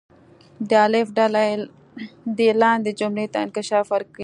د الف ډله دې لاندې جملې ته انکشاف ورکړي.